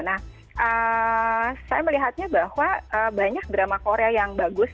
nah saya melihatnya bahwa banyak drama korea yang bagus